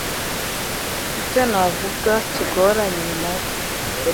Icyo navuga kigoranye n’uko